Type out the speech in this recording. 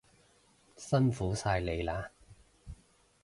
辛苦晒你喇